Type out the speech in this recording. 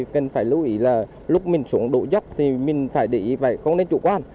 cần phải lưu ý là lúc mình xuống đổ dốc thì mình phải để ý không đến chủ quan